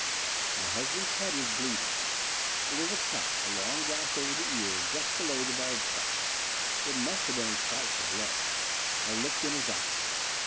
"My husband's head was bleeding. It was cut, a long gash over the ear, just below the bald spot. It must have been a frightful blow. I looked in his eyes.